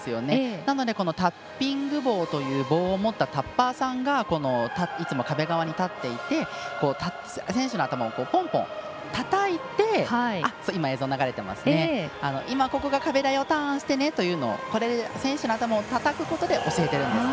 なので、タッピング棒という棒を持ったタッパーさんがいつも壁側に立っていて選手の頭をポンポンたたいて今ここが壁だよターンしてねというのをこれで、選手の頭をたたくことで教えてるんです。